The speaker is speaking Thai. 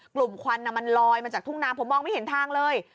ควันมันลอยมาจากทุ่งนาผมมองไม่เห็นทางเลย